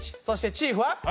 そしてチーフは。